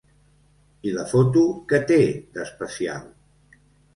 I la foto què té d'especial?